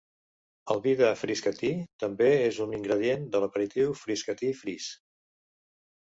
El vi de Frascati també és un ingredient de l'aperitiu Frascati Frizz.